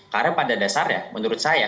karena pada dasarnya menurut saya